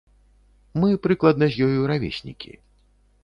Мы прыкладна з ёю равеснікі.